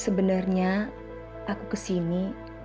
sebenernya aku kesini